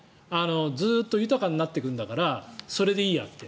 ずっと豊かになっていくんだからそれでいいやって。